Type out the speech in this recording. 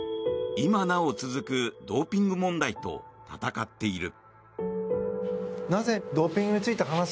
今なお続くドーピング問題と闘っている。